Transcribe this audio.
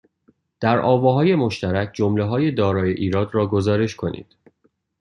در آواهای مشترک جملههای دارای ایراد را گزارش کنید